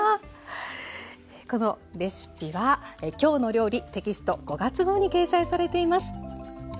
このレシピは「きょうの料理」テキスト５月号に掲載されています。